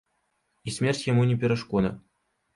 І смерць яму не перашкода.